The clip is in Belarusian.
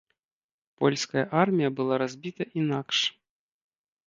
Польская армія была разбіта інакш.